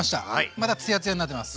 またツヤツヤになってます。